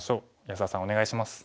安田さんお願いします。